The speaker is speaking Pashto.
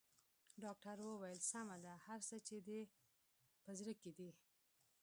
ډاکټر وويل سمه ده هر څه چې دې په زړه کې دي.